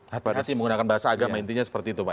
hati hati menggunakan bahasa agama intinya seperti itu pak